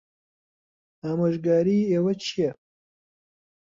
ئامۆژگاریی ئێوە چییە؟